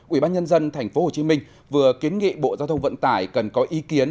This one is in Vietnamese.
ủy ban nhân dân tp hcm vừa kiến nghị bộ giao thông vận tải cần có ý kiến